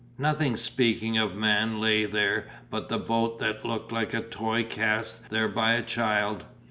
Nothing speaking of man lay there but the boat that looked like a toy cast there by a child.